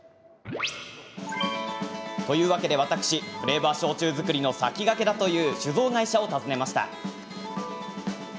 というわけで私フレーバー焼酎造りの先駆けだという酒造会社を訪ねました。